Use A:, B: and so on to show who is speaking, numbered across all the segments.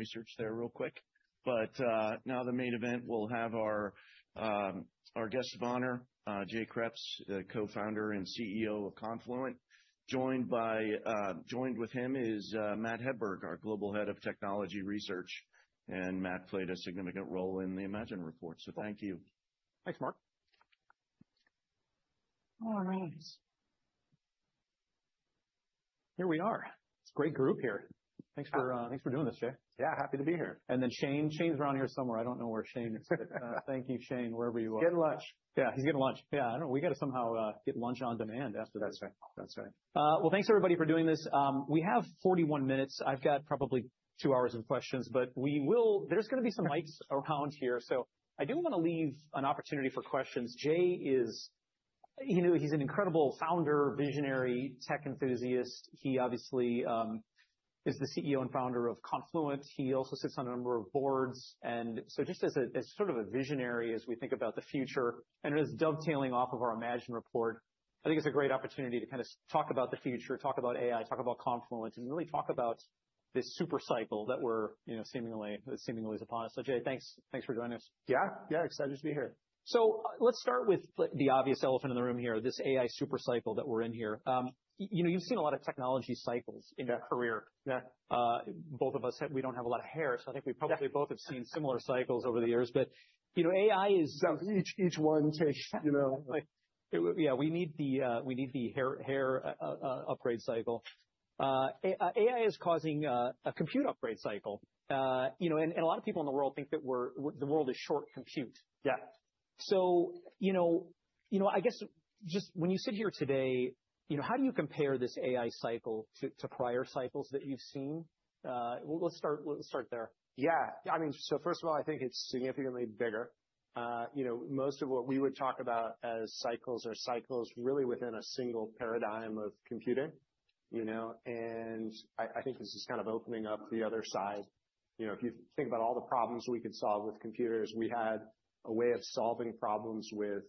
A: Research there real quick. Now the main event, we'll have our guest of honor, Jay Kreps, the co-founder and CEO of Confluent. Joined with him is Matt Hedberg, our Global Head of Technology Research. Matt played a significant role in the Imagine report. Thank you.
B: Thanks, Mark.
A: All right.
B: Here we are. It's a great group here. Thanks for doing this, Jay.
C: Yeah, happy to be here.
B: Shane's around here somewhere. I don't know where Shane is. Thank you, Shane, wherever you are.
C: Getting lunch.
B: Yeah, he's getting lunch. Yeah, I don't know. We got to somehow get lunch on demand after this.
C: That's right. That's right.
B: Thanks, everybody, for doing this. We have 41 minutes. I've got probably two hours of questions. There's going to be some mics around here. I do want to leave an opportunity for questions. Jay is an incredible founder, visionary, tech enthusiast. He obviously is the CEO and founder of Confluent. He also sits on a number of boards. Just as sort of a visionary as we think about the future and as dovetailing off of our Imagine report, I think it's a great opportunity to kind of talk about the future, talk about AI, talk about Confluent, and really talk about this supercycle that seemingly is upon us. Jay, thanks for joining us.
C: Yeah, yeah. Excited to be here.
B: Let's start with the obvious elephant in the room here, this AI supercycle that we're in here. You've seen a lot of technology cycles in your career.
C: Yeah.
B: Both of us, we don't have a lot of hair. I think we probably both have seen similar cycles over the years. AI is.
C: Each one takes.
B: Yeah, we need the hair upgrade cycle. AI is causing a compute upgrade cycle. A lot of people in the world think that the world is short compute.
C: Yeah.
B: I guess just when you sit here today, how do you compare this AI cycle to prior cycles that you've seen? Let's start there.
C: Yeah. I mean, first of all, I think it's significantly bigger. Most of what we would talk about as cycles are cycles really within a single paradigm of computing. I think this is kind of opening up the other side. If you think about all the problems we could solve with computers, we had a way of solving problems with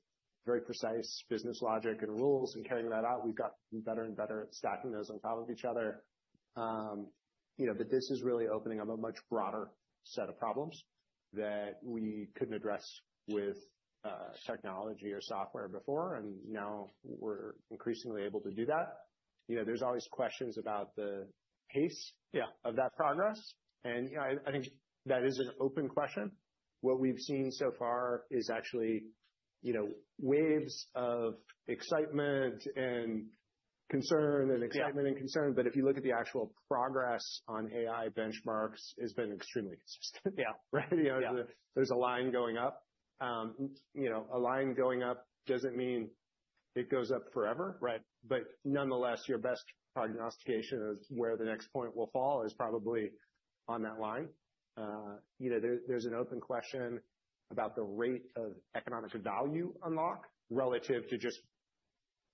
C: very precise business logic and rules and carrying that out. We've gotten better and better at stacking those on top of each other. This is really opening up a much broader set of problems that we couldn't address with technology or software before. Now we're increasingly able to do that. There's always questions about the pace of that progress. I think that is an open question. What we've seen so far is actually waves of excitement and concern and excitement and concern. If you look at the actual progress on AI benchmarks, it's been extremely consistent. There's a line going up. A line going up doesn't mean it goes up forever. Nonetheless, your best prognostication of where the next point will fall is probably on that line. There's an open question about the rate of economic value unlocked relative to just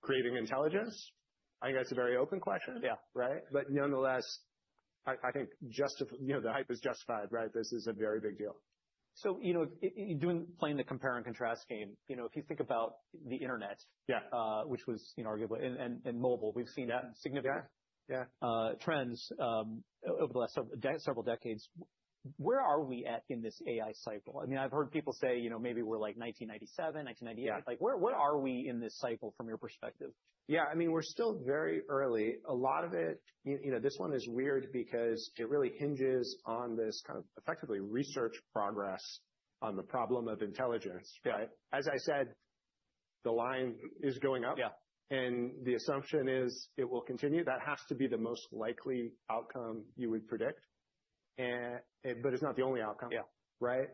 C: creating intelligence. I think that's a very open question. Nonetheless, I think the hype is justified, right? This is a very big deal.
B: Playing the compare and contrast game, if you think about the internet, which was arguably and mobile, we've seen that significant trends over the last several decades. Where are we at in this AI cycle? I mean, I've heard people say maybe we're like 1997, 1998. Where are we in this cycle from your perspective?
C: Yeah. I mean, we're still very early. A lot of it, this one is weird because it really hinges on this kind of effectively research progress on the problem of intelligence. As I said, the line is going up. The assumption is it will continue. That has to be the most likely outcome you would predict. That is not the only outcome, right?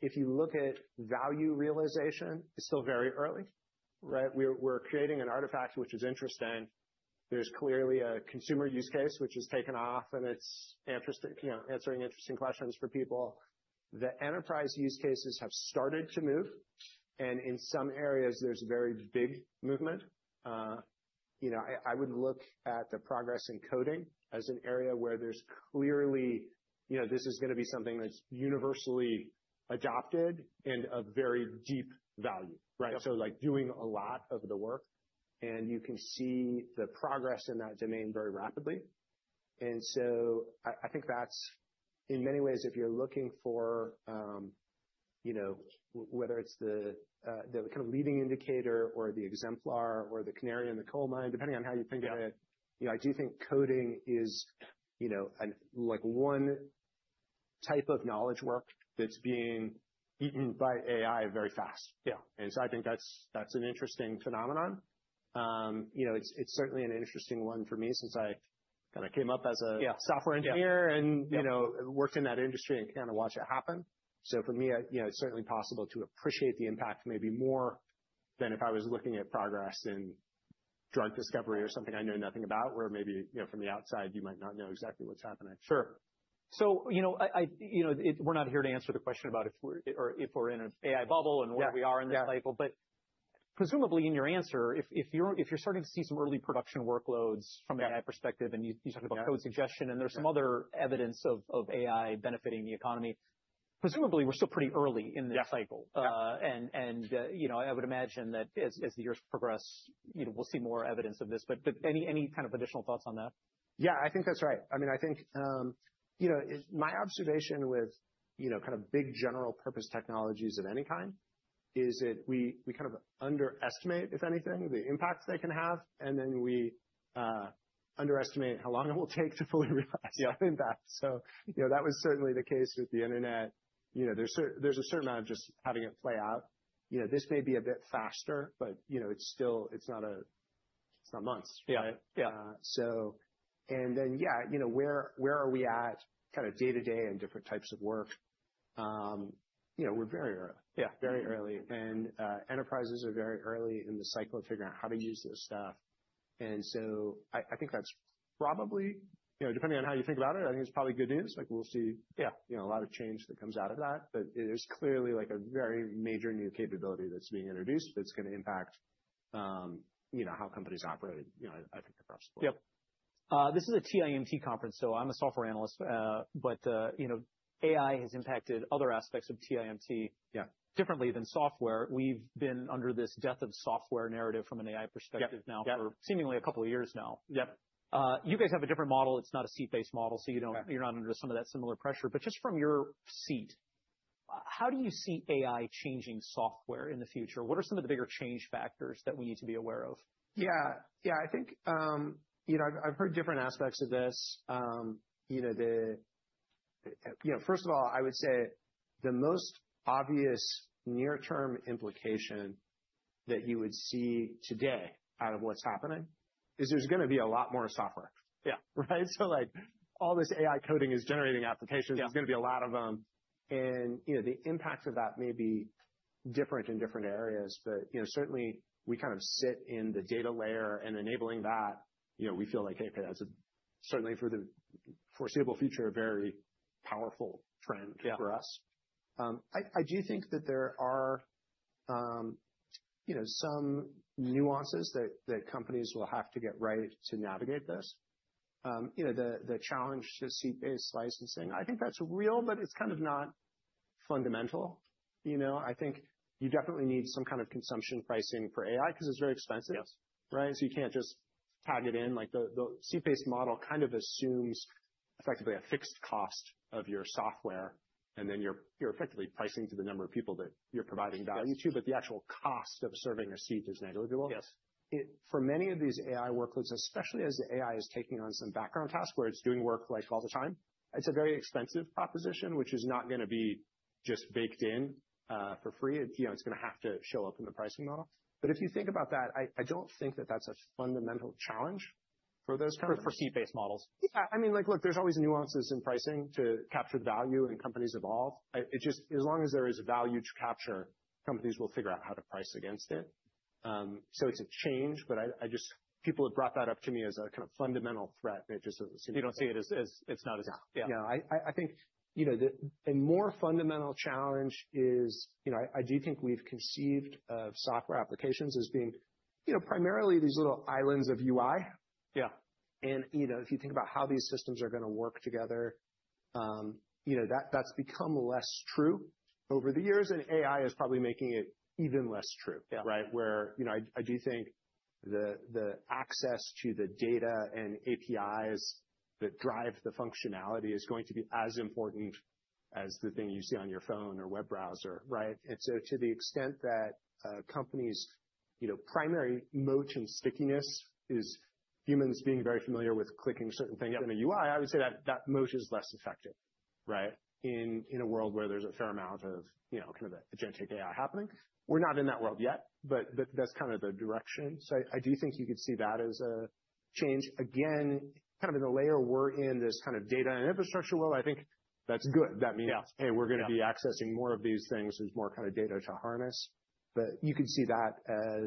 C: If you look at value realization, it's still very early, right? We're creating an artifact, which is interesting. There's clearly a consumer use case, which has taken off, and it's answering interesting questions for people. The enterprise use cases have started to move. In some areas, there's a very big movement. I would look at the progress in coding as an area where there's clearly this is going to be something that's universally adopted and of very deep value, right? Doing a lot of the work. You can see the progress in that domain very rapidly. I think that's in many ways, if you're looking for whether it's the kind of leading indicator or the exemplar or the canary in the coal mine, depending on how you think of it, I do think coding is one type of knowledge work that's being eaten by AI very fast. I think that's an interesting phenomenon. It's certainly an interesting one for me since I kind of came up as a software engineer and worked in that industry and kind of watched it happen. For me, it's certainly possible to appreciate the impact maybe more than if I was looking at progress in drug discovery or something I know nothing about where maybe from the outside, you might not know exactly what's happening.
B: Sure. We are not here to answer the question about if we are in an AI bubble and where we are in the cycle. Presumably in your answer, if you are starting to see some early production workloads from an AI perspective, and you talked about code suggestion, and there is some other evidence of AI benefiting the economy, presumably we are still pretty early in this cycle. I would imagine that as the years progress, we will see more evidence of this. Any kind of additional thoughts on that?
C: Yeah, I think that's right. I mean, I think my observation with kind of big general purpose technologies of any kind is that we kind of underestimate, if anything, the impact they can have. And then we underestimate how long it will take to fully realize that impact. That was certainly the case with the internet. There's a certain amount of just having it play out. This may be a bit faster, but it's not months, right? Yeah, where are we at kind of day-to-day in different types of work? We're very early. Yeah, very early. Enterprises are very early in the cycle of figuring out how to use this stuff. I think that's probably depending on how you think about it, I think it's probably good news. We'll see a lot of change that comes out of that. There is clearly a very major new capability that's being introduced that's going to impact how companies operate, I think, across the board.
B: Yep. This is a TIMT conference, so I'm a software analyst. AI has impacted other aspects of TIMT differently than software. We've been under this death of software narrative from an AI perspective now for seemingly a couple of years now. You guys have a different model. It's not a seat-based model, so you're not under some of that similar pressure. Just from your seat, how do you see AI changing software in the future? What are some of the bigger change factors that we need to be aware of?
C: Yeah. Yeah, I think I've heard different aspects of this. First of all, I would say the most obvious near-term implication that you would see today out of what's happening is there's going to be a lot more software, right? All this AI coding is generating applications. There's going to be a lot of them. The impact of that may be different in different areas. Certainly, we kind of sit in the data layer and enabling that, we feel like, hey, that's certainly for the foreseeable future, a very powerful trend for us. I do think that there are some nuances that companies will have to get right to navigate this. The challenge to seat-based licensing, I think that's real, but it's kind of not fundamental. I think you definitely need some kind of consumption pricing for AI because it's very expensive, right? You can't just tag it in. The seat-based model kind of assumes effectively a fixed cost of your software, and then you're effectively pricing to the number of people that you're providing value to. The actual cost of serving a seat is negligible. For many of these AI workloads, especially as the AI is taking on some background tasks where it's doing work all the time, it's a very expensive proposition, which is not going to be just baked in for free. It's going to have to show up in the pricing model. If you think about that, I don't think that that's a fundamental challenge for those companies. For seat-based models. Yeah. I mean, look, there's always nuances in pricing to capture the value and companies evolve. As long as there is value to capture, companies will figure out how to price against it. It is a change. People have brought that up to me as a kind of fundamental threat. It just doesn't seem.
B: You don't see it as it's not as.
C: Yeah. I think a more fundamental challenge is I do think we've conceived of software applications as being primarily these little islands of UI. If you think about how these systems are going to work together, that's become less true over the years. AI is probably making it even less true, right? I do think the access to the data and APIs that drive the functionality is going to be as important as the thing you see on your phone or web browser, right? To the extent that companies' primary moat and stickiness is humans being very familiar with clicking certain things in a UI, I would say that moat is less effective, right? In a world where there's a fair amount of kind of agentic AI happening. We're not in that world yet, but that's kind of the direction. I do think you could see that as a change. Again, kind of in the layer we're in, this kind of data and infrastructure world, I think that's good. That means, hey, we're going to be accessing more of these things. There's more kind of data to harness. You could see that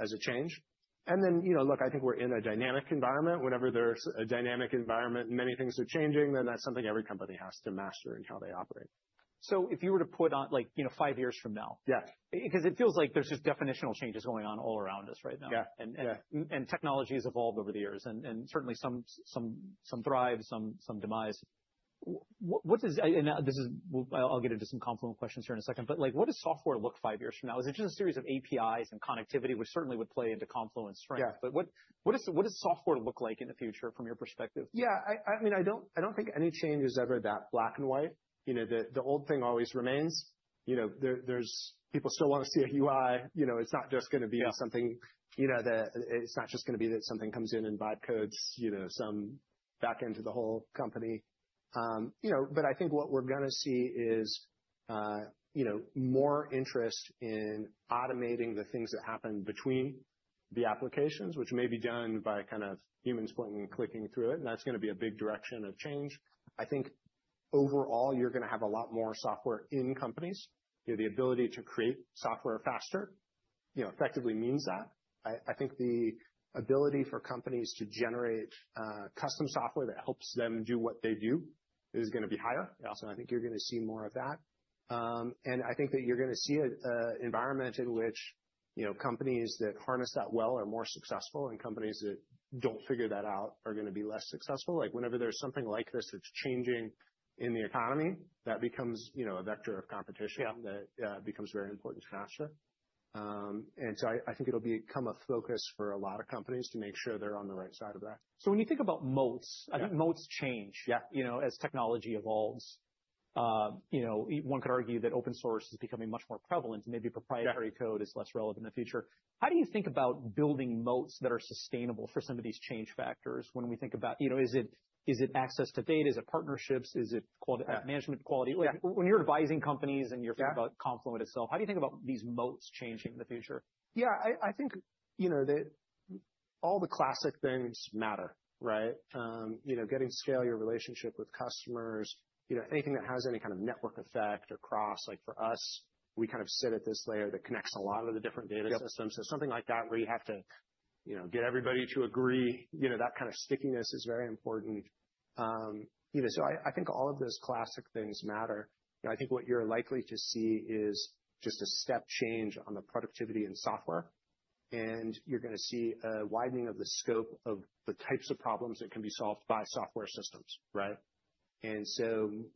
C: as a change. I think we're in a dynamic environment. Whenever there's a dynamic environment and many things are changing, then that's something every company has to master in how they operate.
B: If you were to put on five years from now, because it feels like there's just definitional changes going on all around us right now. Technology has evolved over the years. Certainly, some thrive, some demise. I'll get into some Confluent questions here in a second. What does software look five years from now? Is it just a series of APIs and connectivity, which certainly would play into Confluent's strength? What does software look like in the future from your perspective?
C: Yeah. I mean, I don't think any change is ever that black and white. The old thing always remains. People still want to see a UI. It's not just going to be something that it's not just going to be that something comes in and vibe codes some back into the whole company. I think what we're going to see is more interest in automating the things that happen between the applications, which may be done by kind of humans pointing and clicking through it. That's going to be a big direction of change. I think overall, you're going to have a lot more software in companies. The ability to create software faster effectively means that. I think the ability for companies to generate custom software that helps them do what they do is going to be higher. I think you're going to see more of that. I think that you're going to see an environment in which companies that harness that well are more successful and companies that don't figure that out are going to be less successful. Whenever there's something like this that's changing in the economy, that becomes a vector of competition that becomes very important to master. I think it'll become a focus for a lot of companies to make sure they're on the right side of that.
B: When you think about moats, I think moats change as technology evolves. One could argue that open source is becoming much more prevalent. Maybe proprietary code is less relevant in the future. How do you think about building moats that are sustainable for some of these change factors when we think about is it access to data? Is it partnerships? Is it management quality? When you're advising companies and you're thinking about Confluent itself, how do you think about these moats changing in the future?
C: Yeah. I think all the classic things matter, right? Getting scale, your relationship with customers, anything that has any kind of network effect across. For us, we kind of sit at this layer that connects a lot of the different data systems. Something like that where you have to get everybody to agree, that kind of stickiness is very important. I think all of those classic things matter. I think what you're likely to see is just a step change on the productivity in software. You're going to see a widening of the scope of the types of problems that can be solved by software systems, right?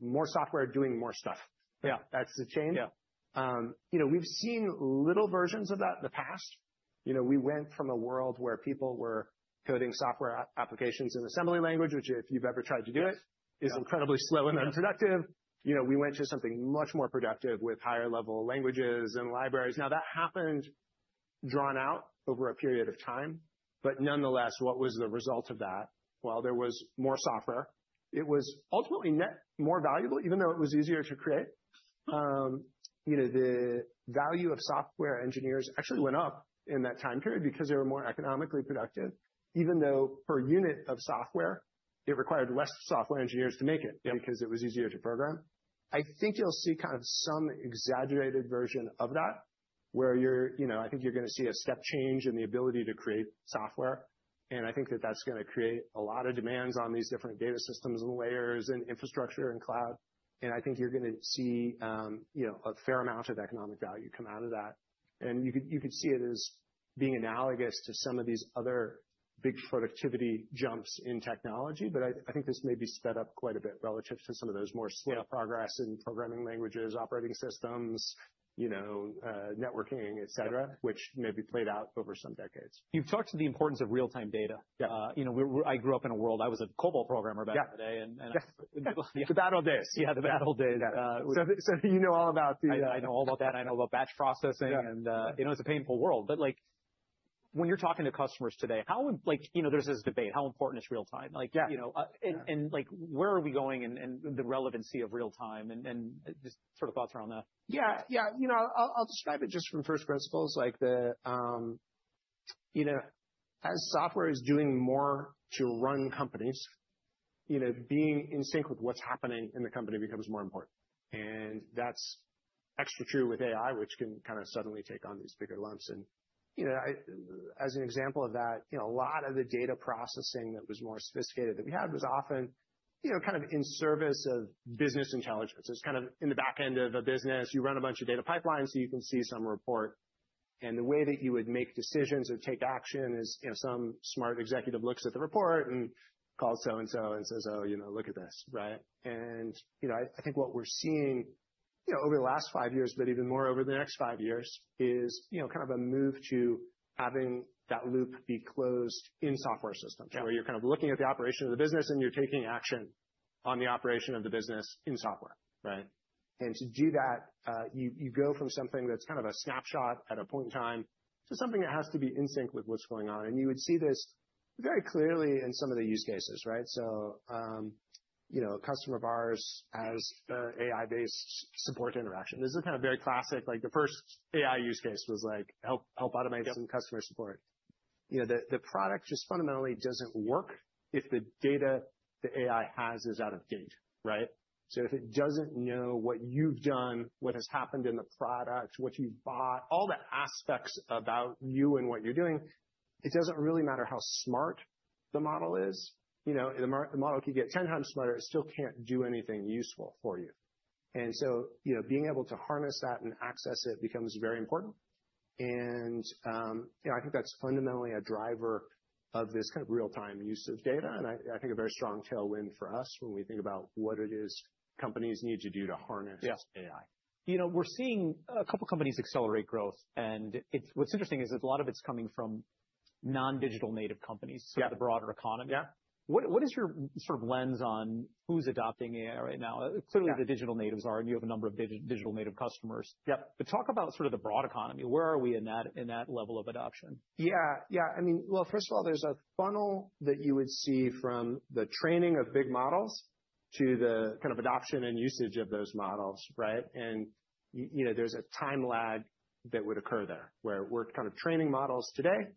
C: More software doing more stuff. That's the change. We've seen little versions of that in the past. We went from a world where people were coding software applications in assembly language, which if you've ever tried to do it, is incredibly slow and unproductive. We went to something much more productive with higher-level languages and libraries. That happened drawn out over a period of time. Nonetheless, what was the result of that? There was more software. It was ultimately more valuable, even though it was easier to create. The value of software engineers actually went up in that time period because they were more economically productive, even though per unit of software, it required fewer software engineers to make it because it was easier to program. I think you'll see kind of some exaggerated version of that where I think you're going to see a step change in the ability to create software. I think that is going to create a lot of demands on these different data systems and layers and infrastructure and cloud. I think you are going to see a fair amount of economic value come out of that. You could see it as being analogous to some of these other big productivity jumps in technology. I think this may be sped up quite a bit relative to some of those more slow progress in programming languages, operating systems, networking, etc., which may be played out over some decades.
B: You've talked to the importance of real-time data. I grew up in a world. I was a COBOL programmer back in the day.
C: The battle days.
B: Yeah, the battle days.
C: You know all about the.
B: I know all about that. I know about batch processing. It is a painful world. When you are talking to customers today, there is this debate. How important is real-time? Where are we going and the relevancy of real-time? Just sort of thoughts around that.
C: Yeah. Yeah. I'll describe it just from first principles. As software is doing more to run companies, being in sync with what's happening in the company becomes more important. That's extra true with AI, which can kind of suddenly take on these bigger lumps. As an example of that, a lot of the data processing that was more sophisticated that we had was often kind of in service of business intelligence. It's kind of in the back end of a business. You run a bunch of data pipelines, so you can see some report. The way that you would make decisions or take action is some smart executive looks at the report and calls so-and-so and says, "Oh, look at this," right? I think what we're seeing over the last five years, but even more over the next five years, is kind of a move to having that loop be closed in software systems, where you're kind of looking at the operation of the business and you're taking action on the operation of the business in software, right? To do that, you go from something that's kind of a snapshot at a point in time to something that has to be in sync with what's going on. You would see this very clearly in some of the use cases, right? A customer of ours has AI-based support interaction. This is kind of very classic. The first AI use case was help automate some customer support. The product just fundamentally doesn't work if the data the AI has is out of date, right? If it doesn't know what you've done, what has happened in the product, what you've bought, all the aspects about you and what you're doing, it doesn't really matter how smart the model is. The model could get 10 times smarter, it still can't do anything useful for you. Being able to harness that and access it becomes very important. I think that's fundamentally a driver of this kind of real-time use of data. I think a very strong tailwind for us when we think about what it is companies need to do to harness AI.
B: We're seeing a couple of companies accelerate growth. What's interesting is a lot of it's coming from non-digital native companies, so the broader economy. What is your sort of lens on who's adopting AI right now? Clearly, the digital natives are, and you have a number of digital native customers. Talk about sort of the broad economy. Where are we in that level of adoption?
C: Yeah. Yeah. I mean, first of all, there's a funnel that you would see from the training of big models to the kind of adoption and usage of those models, right? There's a time lag that would occur there, where we're kind of training models today,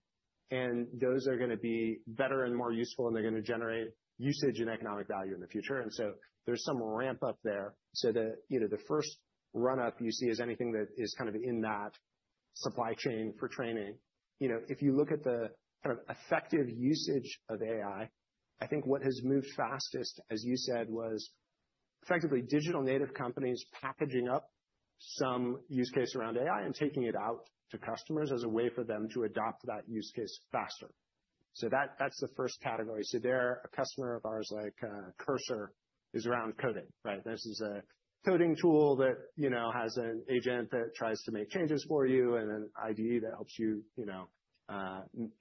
C: and those are going to be better and more useful, and they're going to generate usage and economic value in the future. There's some ramp-up there. The first run-up you see is anything that is kind of in that supply chain for training. If you look at the kind of effective usage of AI, I think what has moved fastest, as you said, was effectively digital native companies packaging up some use case around AI and taking it out to customers as a way for them to adopt that use case faster. That's the first category. A customer of ours, like Cursor, is around coding, right? This is a coding tool that has an agent that tries to make changes for you and an IDE that helps you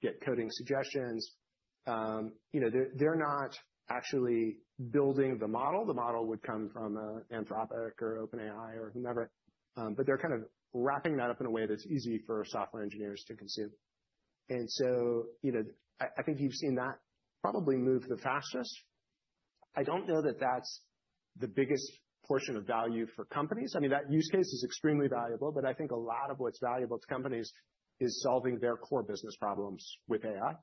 C: get coding suggestions. They're not actually building the model. The model would come from Anthropic or OpenAI or whomever. They're kind of wrapping that up in a way that's easy for software engineers to consume. I think you've seen that probably move the fastest. I don't know that that's the biggest portion of value for companies. I mean, that use case is extremely valuable. I think a lot of what's valuable to companies is solving their core business problems with AI.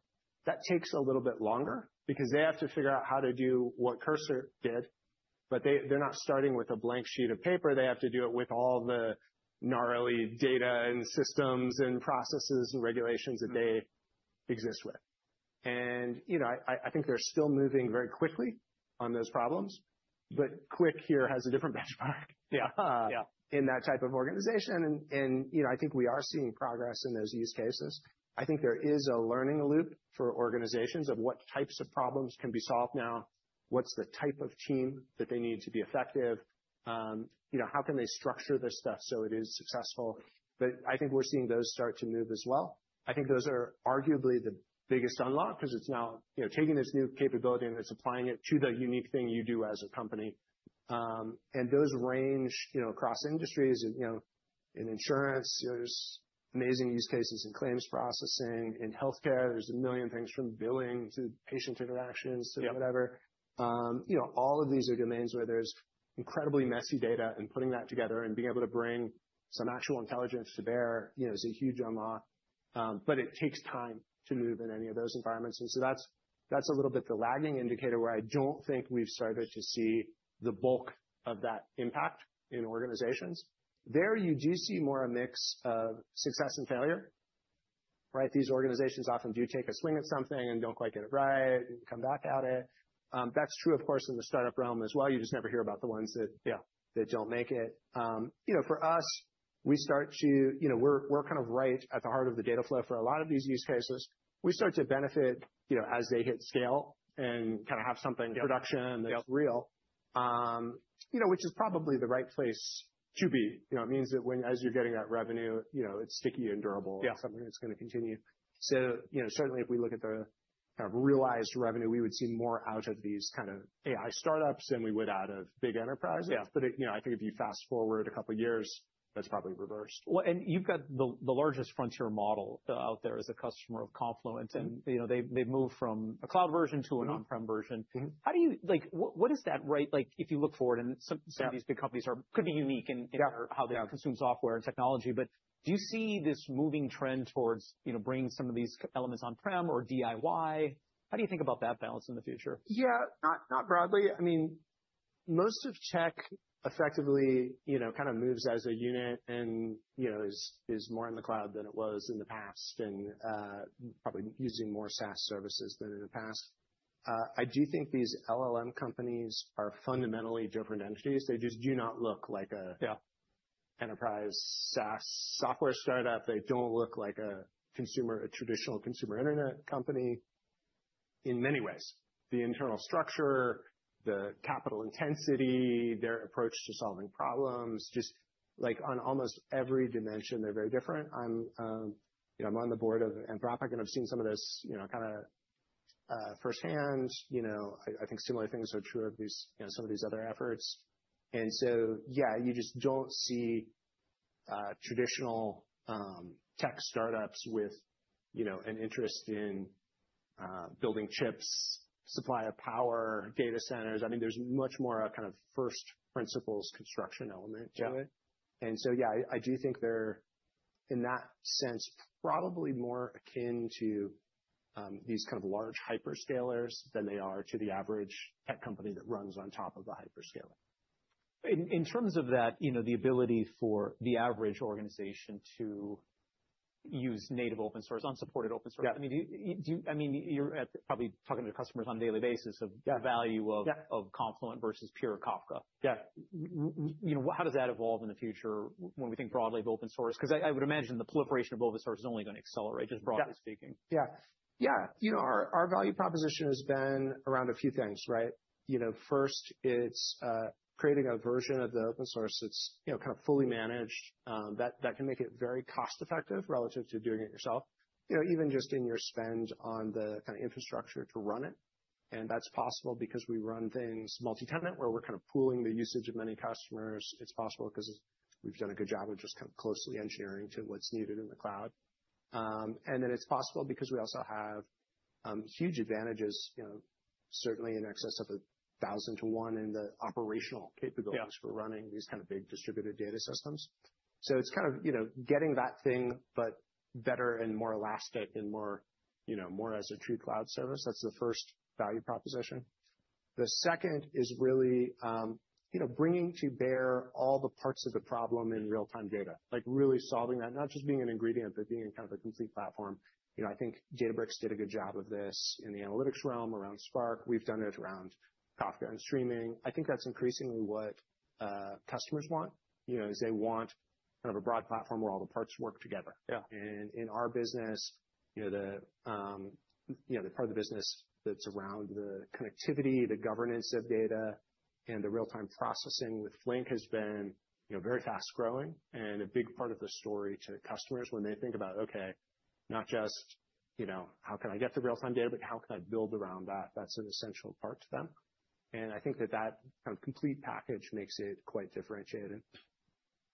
C: That takes a little bit longer because they have to figure out how to do what Cursor did. They're not starting with a blank sheet of paper. They have to do it with all the gnarly data and systems and processes and regulations that they exist with. I think they're still moving very quickly on those problems. Quick here has a different benchmark in that type of organization. I think we are seeing progress in those use cases. I think there is a learning loop for organizations of what types of problems can be solved now, what's the type of team that they need to be effective, how can they structure this stuff so it is successful. I think we're seeing those start to move as well. I think those are arguably the biggest unlock because it's now taking this new capability and it's applying it to the unique thing you do as a company. Those range across industries. In insurance, there's amazing use cases in claims processing. In healthcare, there's a million things from billing to patient interactions to whatever. All of these are domains where there's incredibly messy data, and putting that together and being able to bring some actual intelligence to bear is a huge unlock. It takes time to move in any of those environments. That's a little bit the lagging indicator where I don't think we've started to see the bulk of that impact in organizations. There, you do see more a mix of success and failure, right? These organizations often do take a swing at something and don't quite get it right and come back at it. That's true, of course, in the startup realm as well. You just never hear about the ones that don't make it. For us, we start to, we're kind of right at the heart of the data flow for a lot of these use cases. We start to benefit as they hit scale and kind of have something production that's real, which is probably the right place to be. It means that as you're getting that revenue, it's sticky and durable. It's something that's going to continue. Certainly, if we look at the kind of realized revenue, we would see more out of these kind of AI startups than we would out of big enterprises. I think if you fast forward a couple of years, that's probably reversed.
B: You have the largest frontier model out there as a customer of Confluent. They have moved from a cloud version to an on-prem version. What is that, right? If you look forward, some of these big companies could be unique in how they consume software and technology, but do you see this moving trend towards bringing some of these elements on-prem or DIY? How do you think about that balance in the future?
C: Yeah. Not broadly. I mean, most of tech effectively kind of moves as a unit and is more in the cloud than it was in the past and probably using more SaaS services than in the past. I do think these LLM companies are fundamentally different entities. They just do not look like an enterprise SaaS software startup. They do not look like a traditional consumer internet company in many ways. The internal structure, the capital intensity, their approach to solving problems, just on almost every dimension, they are very different. I am on the board of Anthropic, and I have seen some of this kind of firsthand. I think similar things are true of some of these other efforts. Yeah, you just do not see traditional tech startups with an interest in building chips, supply of power, data centers. I mean, there's much more of a kind of first principles construction element to it. Yeah, I do think they're, in that sense, probably more akin to these kind of large hyperscalers than they are to the average tech company that runs on top of a hyperscaler.
B: In terms of that, the ability for the average organization to use native open source, unsupported open source, I mean, you're probably talking to customers on a daily basis of the value of Confluent versus pure Kafka. How does that evolve in the future when we think broadly of open source? Because I would imagine the proliferation of open source is only going to accelerate, just broadly speaking.
C: Yeah. Yeah. Our value proposition has been around a few things, right? First, it's creating a version of the open source that's kind of fully managed that can make it very cost-effective relative to doing it yourself, even just in your spend on the kind of infrastructure to run it. That is possible because we run things multi-tenant where we're kind of pooling the usage of many customers. It is possible because we've done a good job of just kind of closely engineering to what's needed in the cloud. It is possible because we also have huge advantages, certainly in excess of a thousand to one in the operational capabilities for running these kind of big distributed data systems. It is kind of getting that thing, but better and more elastic and more as a true cloud service. That's the first value proposition. The second is really bringing to bear all the parts of the problem in real-time data, really solving that, not just being an ingredient, but being kind of a complete platform. I think Databricks did a good job of this in the analytics realm around Spark. We've done it around Kafka and streaming. I think that's increasingly what customers want is they want kind of a broad platform where all the parts work together. In our business, the part of the business that's around the connectivity, the governance of data, and the real-time processing with Flink has been very fast-growing. A big part of the story to customers when they think about, "Okay, not just how can I get the real-time data, but how can I build around that?" That's an essential part to them. I think that that kind of complete package makes it quite differentiated.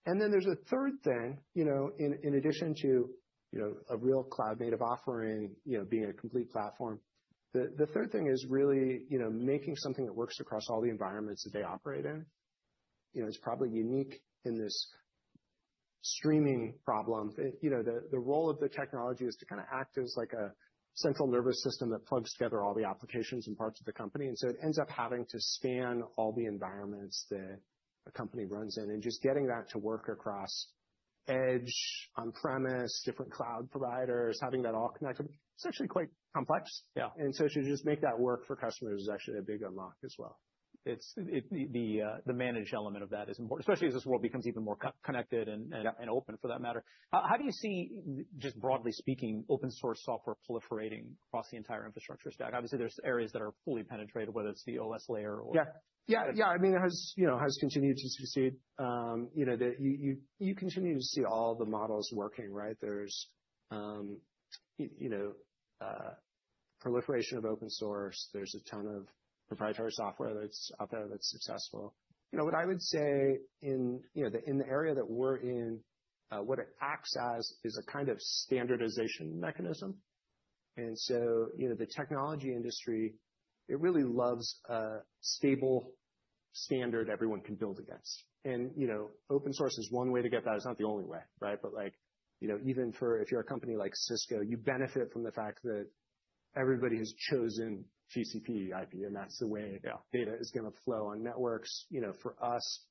C: There is a third thing. In addition to a real cloud-native offering being a complete platform, the third thing is really making something that works across all the environments that they operate in. It is probably unique in this streaming problem. The role of the technology is to kind of act as a central nervous system that plugs together all the applications and parts of the company. It ends up having to span all the environments that a company runs in. Just getting that to work across edge, on-premise, different cloud providers, having that all connected, it is actually quite complex. To just make that work for customers is actually a big unlock as well.
B: The managed element of that is important, especially as this world becomes even more connected and open, for that matter. How do you see, just broadly speaking, open-source software proliferating across the entire infrastructure stack? Obviously, there's areas that are fully penetrated, whether it's the OS layer or.
C: Yeah. Yeah. Yeah. I mean, it has continued to succeed. You continue to see all the models working, right? There is proliferation of open source. There is a ton of proprietary software that is out there that is successful. What I would say in the area that we are in, what it acts as is a kind of standardization mechanism. The technology industry really loves a stable standard everyone can build against. Open source is one way to get that. It is not the only way, right? Even if you are a company like Cisco, you benefit from the fact that everybody has chosen GCP IP, and that is the way data is going to flow on networks. For us,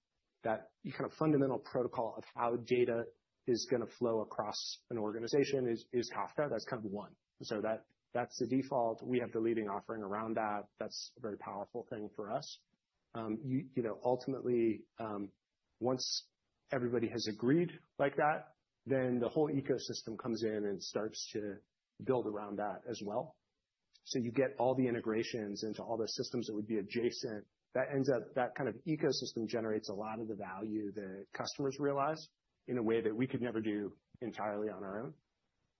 C: that kind of fundamental protocol of how data is going to flow across an organization is Kafka. That is kind of one. That is the default. We have the leading offering around that. That's a very powerful thing for us. Ultimately, once everybody has agreed like that, the whole ecosystem comes in and starts to build around that as well. You get all the integrations into all the systems that would be adjacent. That kind of ecosystem generates a lot of the value that customers realize in a way that we could never do entirely on our own.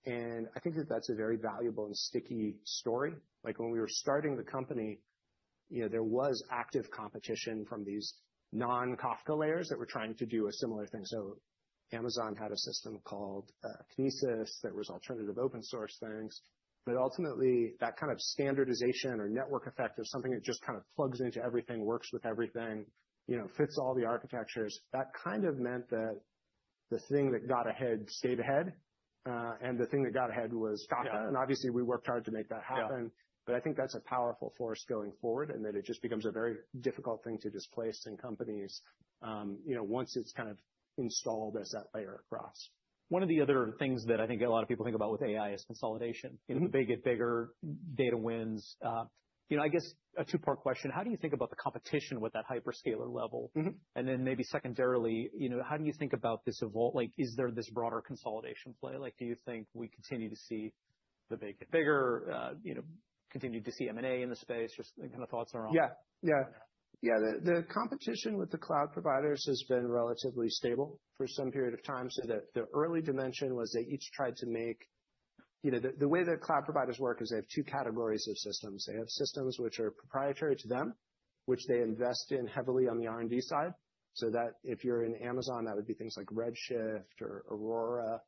C: I think that that's a very valuable and sticky story. When we were starting the company, there was active competition from these non-Kafka layers that were trying to do a similar thing. Amazon had a system called Kinesis that was alternative open-source things. Ultimately, that kind of standardization or network effect of something that just kind of plugs into everything, works with everything, fits all the architectures, that kind of meant that the thing that got ahead stayed ahead. The thing that got ahead was Kafka. Obviously, we worked hard to make that happen. I think that's a powerful force going forward and that it just becomes a very difficult thing to displace in companies once it's kind of installed as that layer across.
B: One of the other things that I think a lot of people think about with AI is consolidation. The big get bigger, data wins. I guess a two-part question. How do you think about the competition with that hyperscaler level? And then maybe secondarily, how do you think about this evolve? Is there this broader consolidation play? Do you think we continue to see the big get bigger, continue to see M&A in the space? Just kind of thoughts around. Yeah. Yeah. The competition with the cloud providers has been relatively stable for some period of time. The early dimension was they each tried to make the way that cloud providers work is they have two categories of systems. They have systems which are proprietary to them, which they invest in heavily on the R&D side. If you're in Amazon, that would be things like Redshift or Aurora.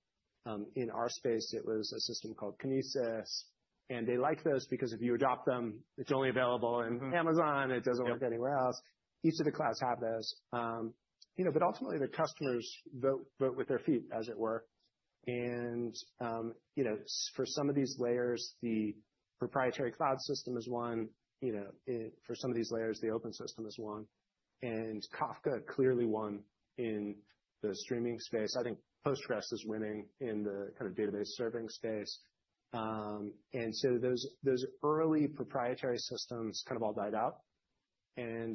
B: In our space, it was a system called Kinesis. They like those because if you adopt them, it's only available in Amazon. It doesn't work anywhere else. Each of the clouds have those. Ultimately, the customers vote with their feet, as it were. For some of these layers, the proprietary cloud system is one. For some of these layers, the open system is one. Kafka clearly won in the streaming space. I think Postgres is winning in the kind of database serving space. Those early proprietary systems kind of all died out.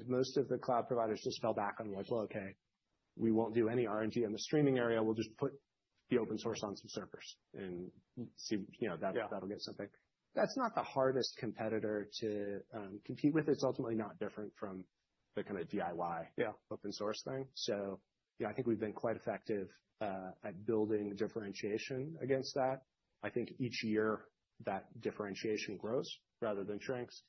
B: Most of the cloud providers just fell back on like, "Well, okay, we won't do any R&D in the streaming area. We'll just put the open source on some servers and see that'll get something." That's not the hardest competitor to compete with. It's ultimately not different from the kind of DIY open source thing. I think we've been quite effective at building differentiation against that. I think each year that differentiation grows rather than shrinks.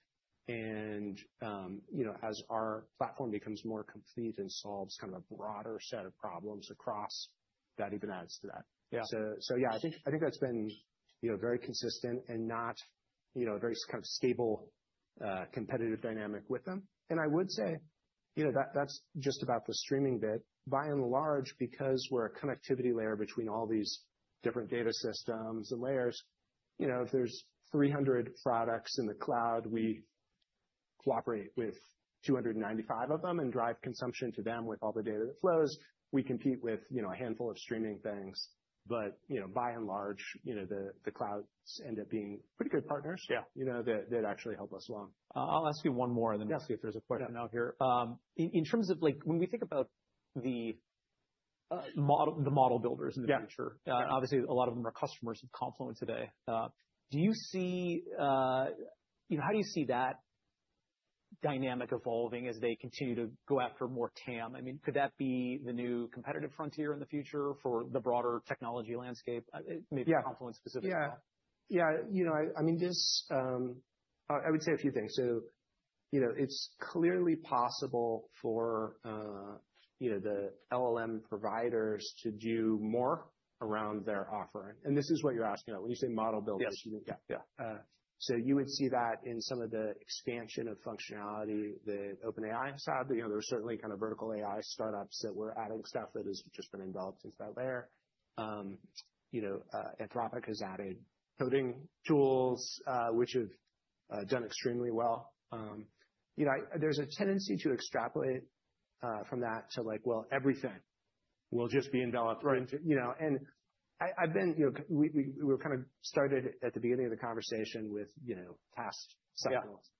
B: As our platform becomes more complete and solves kind of a broader set of problems across, that even adds to that. Yeah, I think that's been very consistent and not a very kind of stable competitive dynamic with them. I would say that's just about the streaming bit. By and large, because we're a connectivity layer between all these different data systems and layers, if there's 300 products in the cloud, we cooperate with 295 of them and drive consumption to them with all the data that flows. We compete with a handful of streaming things. By and large, the clouds end up being pretty good partners that actually help us along. I'll ask you one more and then ask you if there's a question out here. In terms of when we think about the model builders in the future, obviously, a lot of them are customers of Confluent today. Do you see, how do you see that dynamic evolving as they continue to go after more TAM? I mean, could that be the new competitive frontier in the future for the broader technology landscape, maybe Confluent specifically?
C: Yeah. Yeah. I mean, I would say a few things. It is clearly possible for the LLM providers to do more around their offering. This is what you are asking about. When you say model builders, you mean, yeah. You would see that in some of the expansion of functionality that OpenAI has had. There were certainly kind of vertical AI startups that were adding stuff that has just been involved into that layer. Anthropic has added coding tools, which have done extremely well. There is a tendency to extrapolate from that to like, "Well, everything will just be enveloped into." I have been, we were kind of started at the beginning of the conversation with past cycles.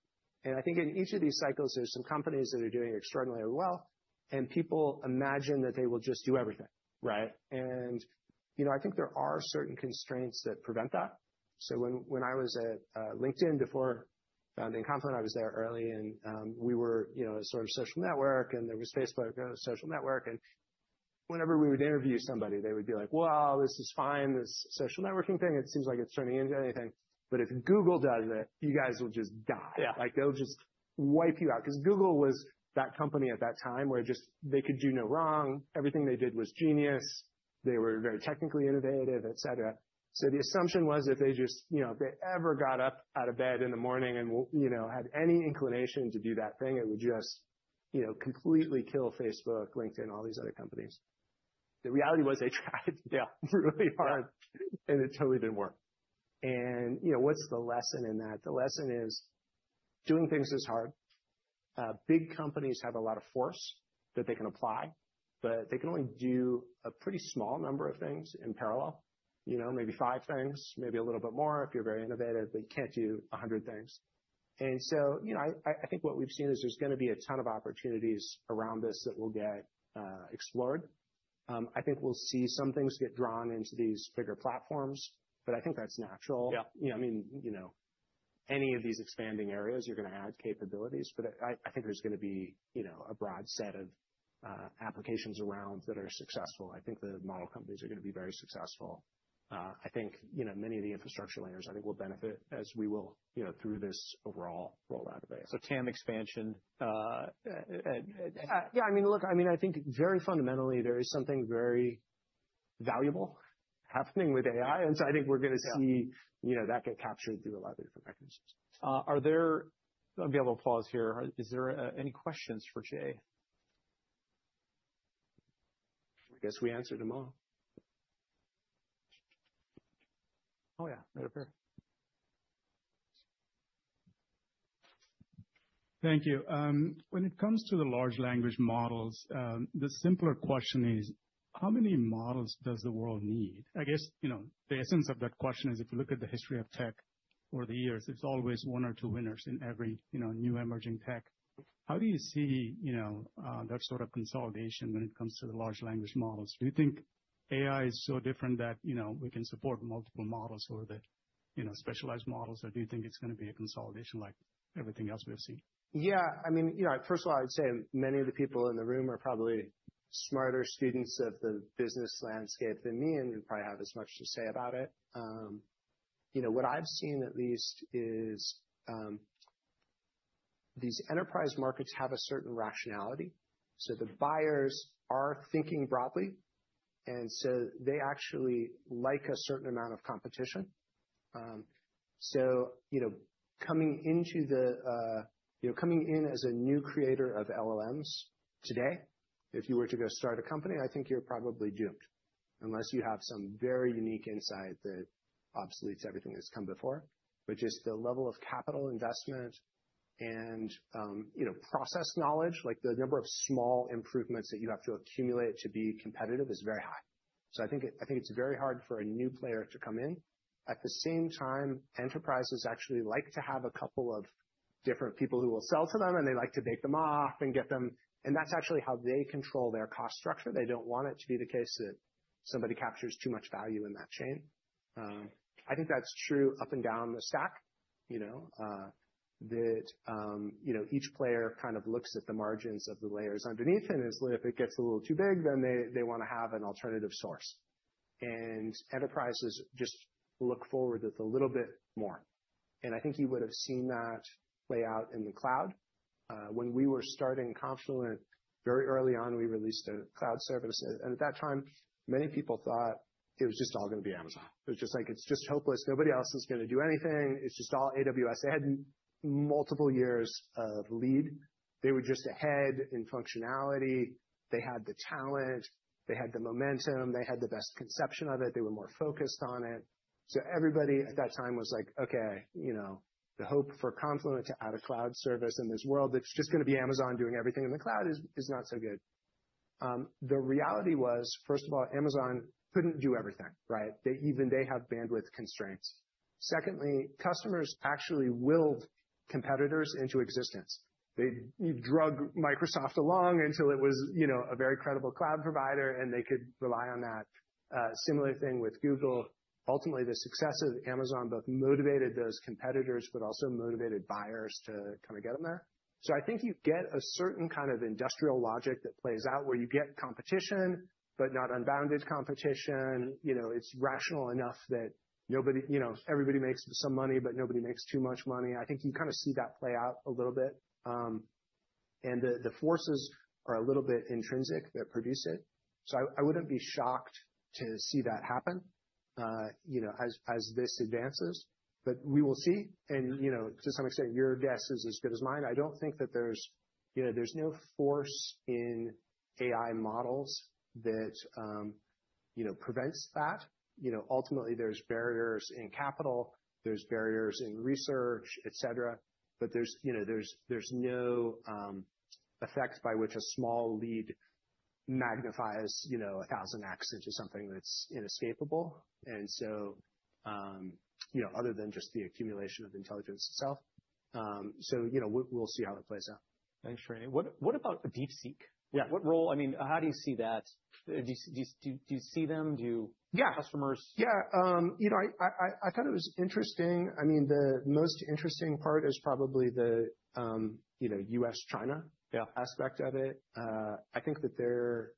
C: I think in each of these cycles, there are some companies that are doing extraordinarily well. People imagine that they will just do everything. I think there are certain constraints that prevent that. When I was at LinkedIn before founding Confluent, I was there early. We were a sort of social network. There was Facebook, a social network. Whenever we would interview somebody, they would be like, "Well, this is fine, this social networking thing. It seems like it's turning into anything. But if Google does it, you guys will just die." They'll just wipe you out. Google was that company at that time where just they could do no wrong. Everything they did was genius. They were very technically innovative, etc. The assumption was if they ever got up out of bed in the morning and had any inclination to do that thing, it would just completely kill Facebook, LinkedIn, all these other companies. The reality was they tried really hard and it totally didn't work. What's the lesson in that? The lesson is doing things is hard. Big companies have a lot of force that they can apply, but they can only do a pretty small number of things in parallel, maybe five things, maybe a little bit more if you're very innovative, but you can't do 100 things. I think what we've seen is there's going to be a ton of opportunities around this that will get explored. I think we'll see some things get drawn into these bigger platforms. I think that's natural. I mean, any of these expanding areas, you're going to add capabilities. I think there's going to be a broad set of applications around that are successful. I think the model companies are going to be very successful. I think many of the infrastructure layers, I think, will benefit as we will through this overall rollout of AI.
B: TAM expansion.
C: Yeah. I mean, look, I mean, I think very fundamentally, there is something very valuable happening with AI. I think we're going to see that get captured through a lot of different mechanisms.
B: I'll be able to pause here. Is there any questions for Jay? I guess we answered them all. Oh yeah, right up here.
D: Thank you. When it comes to the large language models, the simpler question is, how many models does the world need? I guess the essence of that question is if you look at the history of tech over the years, it's always one or two winners in every new emerging tech. How do you see that sort of consolidation when it comes to the large language models? Do you think AI is so different that we can support multiple models or the specialized models, or do you think it's going to be a consolidation like everything else we've seen?
C: Yeah. I mean, first of all, I would say many of the people in the room are probably smarter students of the business landscape than me, and would probably have as much to say about it. What I've seen at least is these enterprise markets have a certain rationality. The buyers are thinking broadly. They actually like a certain amount of competition. Coming in as a new creator of LLMs today, if you were to go start a company, I think you're probably doomed unless you have some very unique insight that obsoletes everything that's come before. Just the level of capital investment and process knowledge, like the number of small improvements that you have to accumulate to be competitive, is very high. I think it's very hard for a new player to come in. At the same time, enterprises actually like to have a couple of different people who will sell to them, and they like to bake them off and get them. That is actually how they control their cost structure. They do not want it to be the case that somebody captures too much value in that chain. I think that is true up and down the stack, that each player kind of looks at the margins of the layers underneath. If it gets a little too big, then they want to have an alternative source. Enterprises just look forward with a little bit more. I think you would have seen that play out in the cloud. When we were starting Confluent, very early on, we released a cloud service. At that time, many people thought it was just all going to be Amazon. It was just like, "It's just hopeless. Nobody else is going to do anything. It's just all AWS." They had multiple years of lead. They were just ahead in functionality. They had the talent. They had the momentum. They had the best conception of it. They were more focused on it. Everybody at that time was like, "Okay, the hope for Confluent to add a cloud service in this world that's just going to be Amazon doing everything in the cloud is not so good." The reality was, first of all, Amazon could not do everything, right? Even they have bandwidth constraints. Secondly, customers actually willed competitors into existence. They drug Microsoft along until it was a very credible cloud provider, and they could rely on that. Similar thing with Google. Ultimately, the success of Amazon both motivated those competitors, but also motivated buyers to kind of get them there. I think you get a certain kind of industrial logic that plays out where you get competition, but not unbounded competition. It's rational enough that everybody makes some money, but nobody makes too much money. I think you kind of see that play out a little bit. The forces are a little bit intrinsic that produce it. I would not be shocked to see that happen as this advances. We will see. To some extent, your guess is as good as mine. I do not think that there's no force in AI models that prevents that. Ultimately, there are barriers in capital. There are barriers in research, etc. There is no effect by which a small lead magnifies 1,000x into something that's inescapable, other than just the accumulation of intelligence itself. We will see how it plays out.
B: Thanks, Ryanny. What about DeepSeek? What role? I mean, how do you see that? Do you see them? Do customers?
C: Yeah. I thought it was interesting. I mean, the most interesting part is probably the U.S.-China aspect of it. I think that they're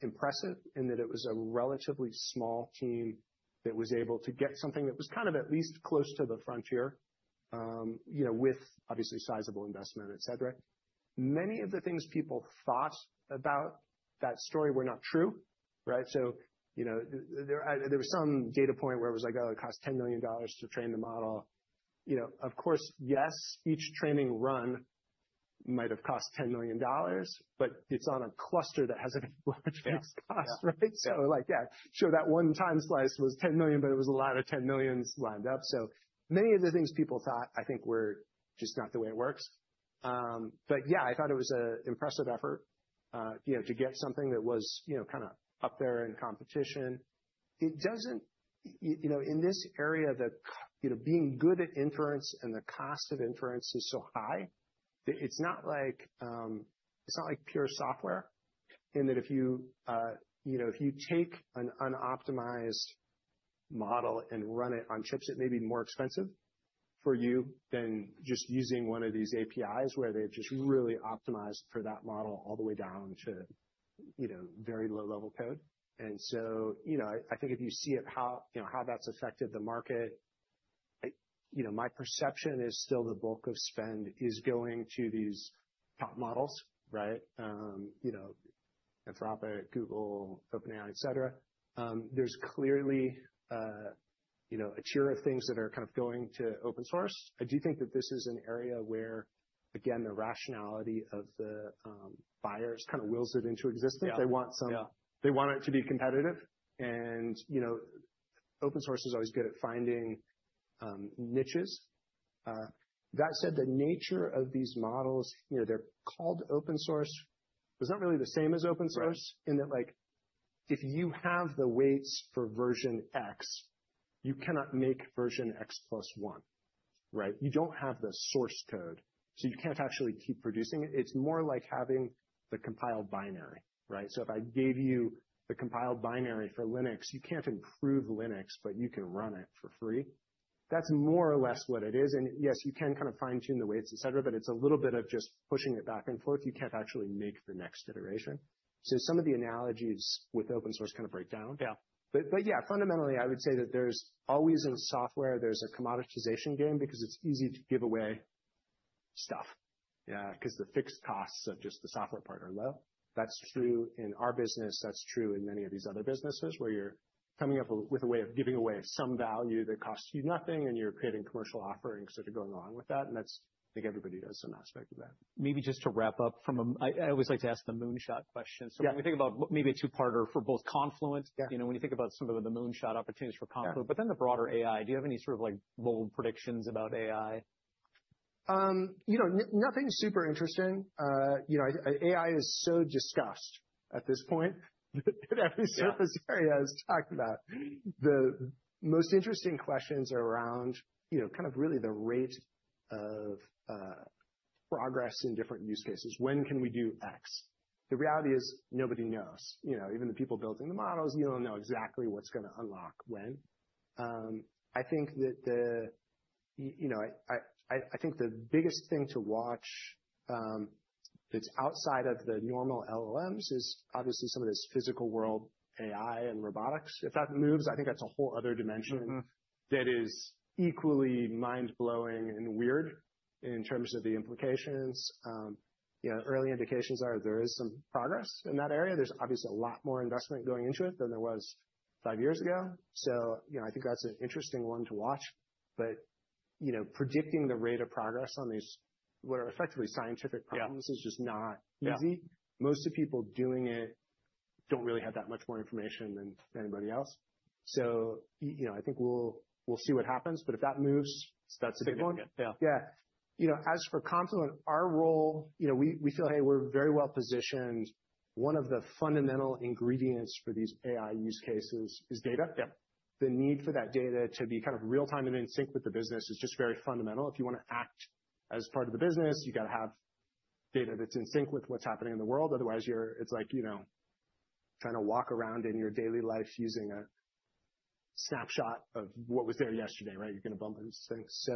C: impressive in that it was a relatively small team that was able to get something that was kind of at least close to the frontier with, obviously, sizable investment, etc. Many of the things people thought about that story were not true, right? There was some data point where it was like, "Oh, it costs $10 million to train the model." Of course, yes, each training run might have cost $10 million, but it's on a cluster that has a large fixed cost, right? Yeah, sure, that one time slice was $10 million, but it was a lot of $10 millions lined up. Many of the things people thought, I think, were just not the way it works. Yeah, I thought it was an impressive effort to get something that was kind of up there in competition. In this area, being good at inference and the cost of inference is so high that it's not like pure software in that if you take an unoptimized model and run it on chips, it may be more expensive for you than just using one of these APIs where they've just really optimized for that model all the way down to very low-level code. I think if you see how that's affected the market, my perception is still the bulk of spend is going to these top models, right? Anthropic, Google, OpenAI, etc. There's clearly a tier of things that are kind of going to open source. I do think that this is an area where, again, the rationality of the buyers kind of wields it into existence. They want it to be competitive. Open source is always good at finding niches. That said, the nature of these models, they're called open source. It's not really the same as open source in that if you have the weights for version X, you cannot make version X plus one, right? You do not have the source code. You cannot actually keep producing it. It is more like having the compiled binary, right? If I gave you the compiled binary for Linux, you cannot improve Linux, but you can run it for free. That is more or less what it is. Yes, you can kind of fine-tune the weights, etc., but it is a little bit of just pushing it back and forth. You cannot actually make the next iteration. Some of the analogies with open source kind of break down. Yeah, fundamentally, I would say that there's always in software, there's a commoditization game because it's easy to give away stuff because the fixed costs of just the software part are low. That's true in our business. That's true in many of these other businesses where you're coming up with a way of giving away some value that costs you nothing, and you're creating commercial offerings that are going along with that. I think everybody does some aspect of that.
B: Maybe just to wrap up, I always like to ask the moonshot question. When we think about maybe a two-parter for both Confluent, when you think about some of the moonshot opportunities for Confluent, but then the broader AI, do you have any sort of bold predictions about AI?
C: Nothing super interesting. AI is so discussed at this point that every surface area is talked about. The most interesting questions are around kind of really the rate of progress in different use cases. When can we do X? The reality is nobody knows. Even the people building the models, you don't know exactly what's going to unlock when. I think the biggest thing to watch that's outside of the normal LLMs is obviously some of this physical world AI and robotics. If that moves, I think that's a whole other dimension that is equally mind-blowing and weird in terms of the implications. Early indications are there is some progress in that area. There's obviously a lot more investment going into it than there was five years ago. I think that's an interesting one to watch. Predicting the rate of progress on these what are effectively scientific problems is just not easy. Most of the people doing it do not really have that much more information than anybody else. I think we will see what happens. If that moves, that is a big one.
B: That's a big one.
C: Yeah. As for Confluent, our role, we feel, hey, we're very well positioned. One of the fundamental ingredients for these AI use cases is data. The need for that data to be kind of real-time and in sync with the business is just very fundamental. If you want to act as part of the business, you got to have data that's in sync with what's happening in the world. Otherwise, it's like trying to walk around in your daily life using a snapshot of what was there yesterday, right? You're going to bump into things.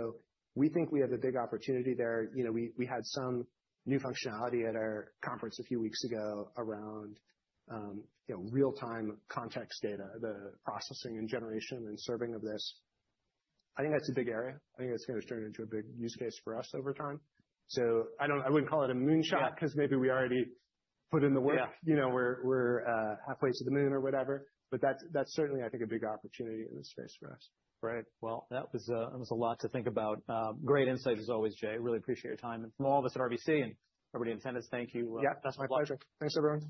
C: We think we have a big opportunity there. We had some new functionality at our conference a few weeks ago around real-time context data, the processing and generation and serving of this. I think that's a big area. I think it's going to turn into a big use case for us over time. I would not call it a moonshot because maybe we already put in the work. We are halfway to the moon or whatever. That is certainly, I think, a big opportunity in this space for us.
B: Right. That was a lot to think about. Great insights as always, Jay. Really appreciate your time. From all of us at RBC and everybody in tennis, thank you.
C: Yeah. My pleasure. Thanks everyone.